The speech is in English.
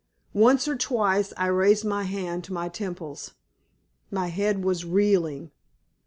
Once or twice I raised my hand to my temples my head was reeling.